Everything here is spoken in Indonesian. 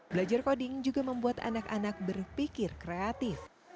belajar coding juga membuat anak anak berpikir kreatif